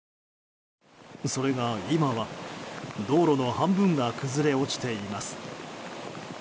それが今は、道路の半分が崩れ落ちています。